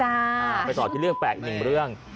ไปต่อที่เรื่องแปลกอีกหนึ่งเรื่อง